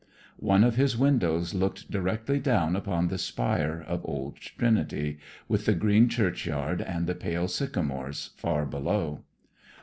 One of his windows looked directly down upon the spire of Old Trinity, with the green churchyard and the pale sycamores far below.